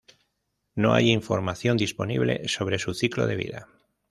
No hay información disponible sobre su ciclo de vida.